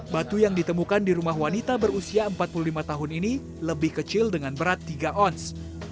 batu yang ditemukan di rumah wanita berusia empat puluh lima tahun ini lebih kecil dengan berat tiga ons